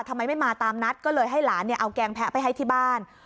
ทำไมไม่มาตามนัดก็เลยให้หลานเนี่ยเอาแกงแพะไปให้ที่บ้าน